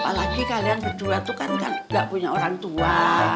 apalagi kalian kedua itu kan gak punya orang tua